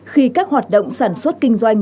khi các hoạt động sản xuất kinh doanh